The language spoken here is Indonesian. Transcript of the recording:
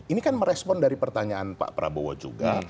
ini kan merespon dari pertanyaan pak prabowo juga